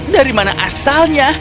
dari mana asalnya